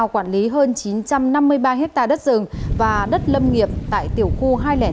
quản lý hơn chín trăm năm mươi ba hectare đất rừng và đất lâm nghiệp tại tiểu khu hai trăm linh năm